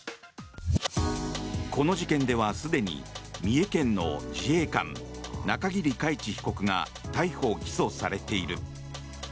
この事件ではすでに三重県の自衛官、中桐海知被告が逮捕・起訴されている。